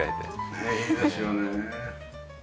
ねえいいですよね。